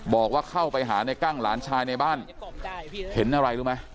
บอกว่าเข้าไปหาในกั้งหลานชายในบ้านเห็นอะไรรู้ไหม